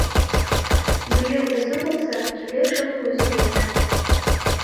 Биыл ізі болса, келер жылы өзі болар.